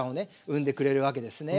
生んでくれるわけですね。